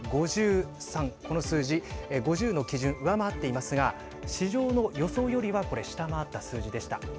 この数字５０の基準、上回っていますが市場の予想よりはこれ下回った数字でした。